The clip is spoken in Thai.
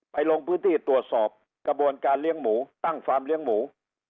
ลงพื้นที่ตรวจสอบกระบวนการเลี้ยงหมูตั้งฟาร์มเลี้ยงหมู